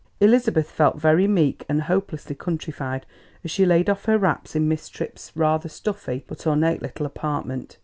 Elizabeth felt very meek and hopelessly countrified as she laid off her wraps in Miss Tripp's rather stuffy but ornate little apartment.